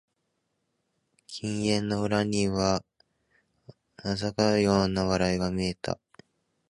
金縁の裏には嘲るような笑いが見えた